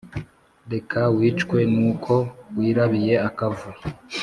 reka wicwe n’uko wirabiye akavu